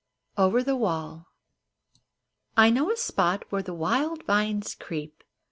OVER THE WALL I KNOW a spot where the wild vines creep.